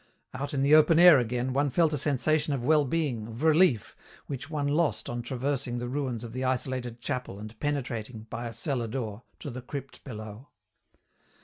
Out in the open air again, one felt a sensation of well being, of relief, which one lost on traversing the ruins of the isolated chapel and penetrating, by a cellar door, to the crypt below.